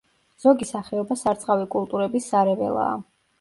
ზოგი სახეობა სარწყავი კულტურების სარეველაა.